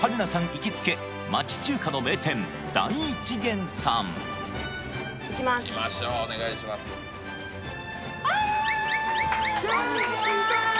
行きつけ町中華の名店代一元さん行きます行きましょうお願いしますあ！